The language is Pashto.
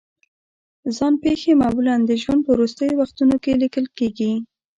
ځان پېښې معمولا د ژوند په وروستیو وختونو کې لیکل کېږي.